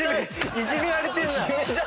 いじめられてんな。